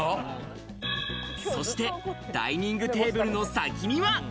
そしてダイニングテーブルの先には。